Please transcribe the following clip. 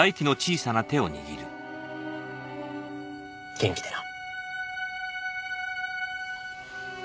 元気でな。